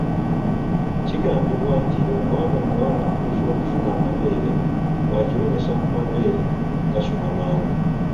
Kigambibwa nti omwana omuwala atuuse okusuna amabeere bw'akirumisa ku mabeere gasuna mangu.